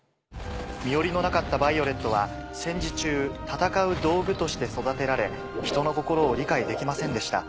身寄りのなかったヴァイオレットは戦時中戦う道具として育てられ人の心を理解できませんでした。